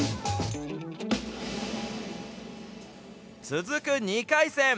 続く２回戦。